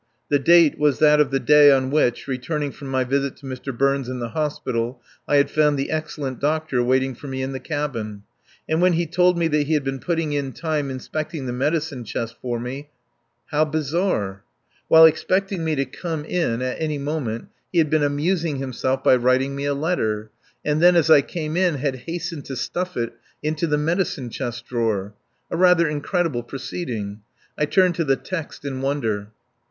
The date was that of the day on which, returning from my visit to Mr. Burns in the hospital, I had found the excellent doctor waiting for me in the cabin; and when he told me that he had been putting in time inspecting the medicine chest for me. How bizarre! While expecting me to come in at any moment he had been amusing himself by writing me a letter, and then as I came in had hastened to stuff it into the medicine chest drawer. A rather incredible proceeding. I turned to the text in wonder.